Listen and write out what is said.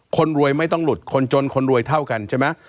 คนรวยไม่ต้องหลุดคนจนคนรวยเท่ากันใช่ไหม